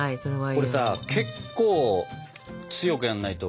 これさ結構強くやんないと。